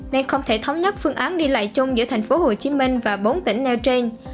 nên không thể thống nhất phương án đi lại chung giữa tp hcm và bốn tỉnh nêu trên